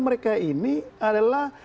mereka ini adalah